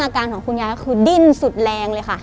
อาการของคุณยายก็คือดิ้นสุดแรงเลยค่ะ